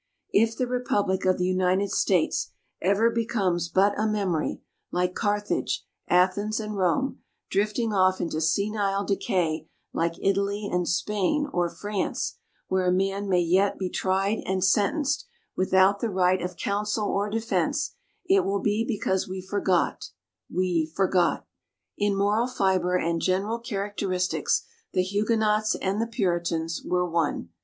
If the Republic of the United States ever becomes but a memory, like Carthage, Athens and Rome, drifting off into senile decay like Italy and Spain or France, where a man may yet be tried and sentenced without the right of counsel or defense, it will be because we forgot we forgot! In moral fiber and general characteristics the Huguenots and the Puritans were one.